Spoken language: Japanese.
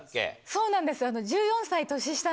そうなんです。